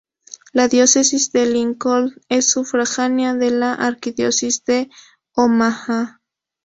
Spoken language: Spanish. La Diócesis de Lincoln es sufragánea de la Arquidiócesis de Omaha.